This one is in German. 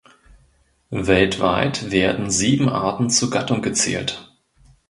Weltweit werden sieben Arten zur Gattung gezählt.